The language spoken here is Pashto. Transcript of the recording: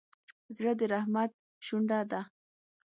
زړه د رحمت شونډه ده.